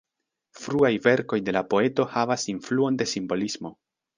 Fruaj verkoj de la poeto havas influon de simbolismo.